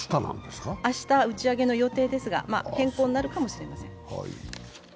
明日打ち上げの予定ですが、変更になるかもしれません。